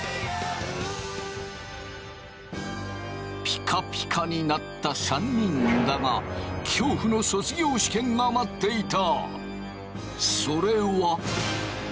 ピカピカになった３人だが恐怖の卒業試験が待っていた。